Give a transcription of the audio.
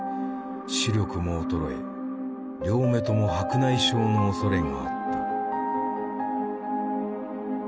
視力も衰え両目とも白内障のおそれがあった。